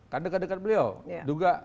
kan dekat dekat beliau